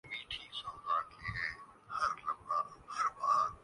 پی S L three کے کامیاب انعقاد پر پوری قوم خوشی سے نہال